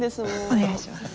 お願いします。